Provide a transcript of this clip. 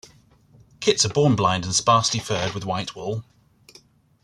Kits are born blind and sparsely furred with white wool.